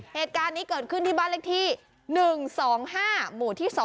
เหตุการณ์นี้เกิดขึ้นที่บ้านเลขที่๑๒๕หมู่ที่๒